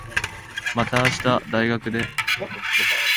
また明日、大学で。